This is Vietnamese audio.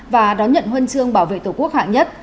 và đón nhận huân chương bảo vệ tổ quốc hạng nhất